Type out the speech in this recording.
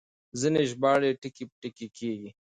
ځينې ژباړې ټکي په ټکي کېږي.